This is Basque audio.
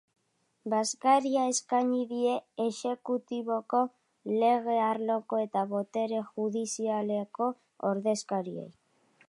Bazkaria eskaini die exekutiboko, lege arloko eta botere judizialeko ordezkariei.